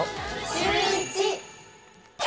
シューイチ。